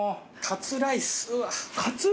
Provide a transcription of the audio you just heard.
カツライス⁉